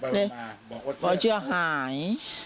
แล้วก็เสื้อหาย